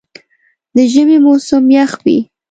د ژمي موسم یخ وي.